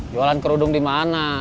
jualan kerudung dimana